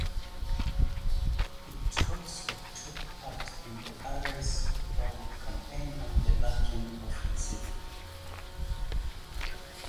It also took part in the Aras Valley campaign and the Lachin offensive.